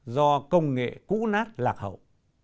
do công nghệ cũ nát lạc hậu